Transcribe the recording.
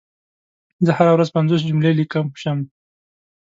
زه هره ورځ پنځوس جملي ليکم شوي